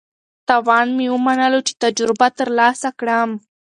تاوان مې ومنلو چې تجربه ترلاسه کړم.